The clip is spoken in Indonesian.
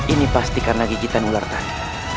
ini pasti karena gigitan ular tadi